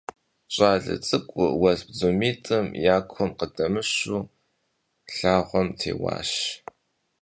Ş'ale ts'ık'ur vues bdzumit'ım ya kum khıdemışu lhağuem têuvaş.